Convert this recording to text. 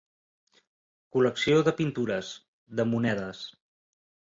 Col·lecció de pintures, de monedes.